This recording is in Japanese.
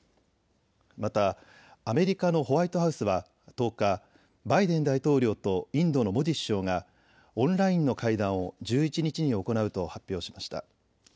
またアメリカのホワイトハウスは１０日、バイデン大統領とインドのモディ首相がオンラインの会談を１１日に行うと発表しました。